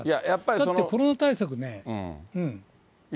だってコロナ対策ね。